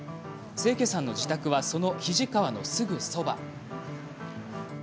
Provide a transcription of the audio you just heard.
清家さんの自宅はその肱川のすぐそば。